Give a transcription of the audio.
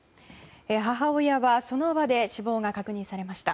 母親はその場で死亡が確認されました。